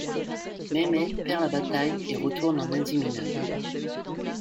Mehmed perd la bataille et retourne en Asie Mineure.